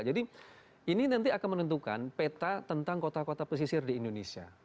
jadi ini nanti akan menentukan peta tentang kota kota pesisir di indonesia